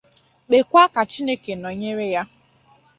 kpekwa ka Chineke nọnyere ya.